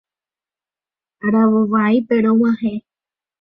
Aravo vaípe rog̃uahẽ.